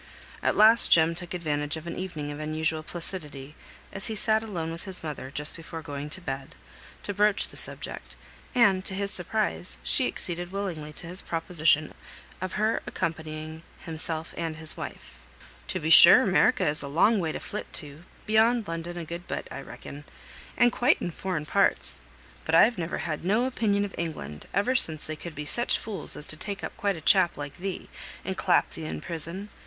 At last Jem took advantage of an evening of unusual placidity, as he sat alone with his mother just before going to bed, to broach the subject; and to his surprise she acceded willingly to his proposition of her accompanying himself and his wife. "To be sure 'Merica is a long way to flit to; beyond London a good bit I reckon; and quite in foreign parts; but I've never had no opinion of England, ever since they could be such fools as take up a quiet chap like thee, and clap thee in prison.